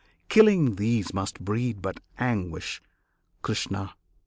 Killing these Must breed but anguish, Krishna!